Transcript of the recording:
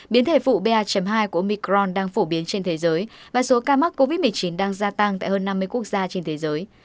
biến thể phụ ba hai của micron đang phổ biến trên thế giới và số ca mắc covid một mươi chín đang gia tăng tại hơn năm mươi quốc gia trên thế giới